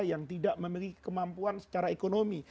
yang tidak memiliki kemampuan secara ekonomi